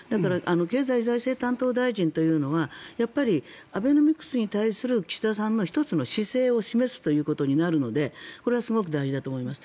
経済再生担当大臣というのはやっぱりアベノミクスに対する岸田さんの１つの姿勢を示すことになるのでこれはすごく大事だと思います。